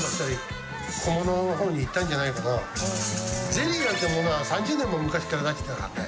ゼリーなんてものは３０年も昔から出してたからね。